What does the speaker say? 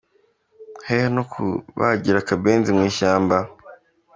Hehe no kubagira Akabenzi mu ishyamba